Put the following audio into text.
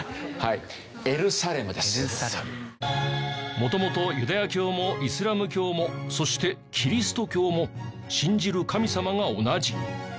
元々ユダヤ教もイスラム教もそしてキリスト教も信じる神様が同じ。